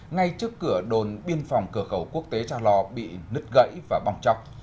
ngay trước cửa đồn biên phòng cửa khẩu quốc tế trao lò bị nứt gãy và bong chọc